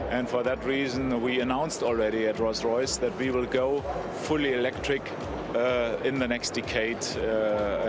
dan karena itu kami sudah mengumumkan di rolls royce bahwa kita akan berjalan elektrik sepenuhnya dalam dekade seterusnya